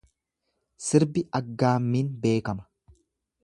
Sirbi aggaammiin beekama.